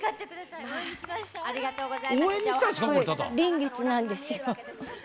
臨月なんですよ。